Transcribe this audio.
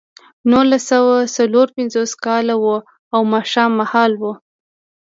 نولس سوه څلور پنځوس کال و او ماښام مهال و